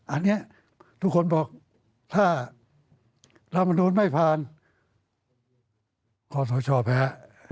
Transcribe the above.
อันนี้ทุกคนบอกถ้ารัฐมนุนไม่ผ่านคอสชแพ้